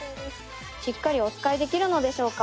しっかりおつかいできるのでしょうか？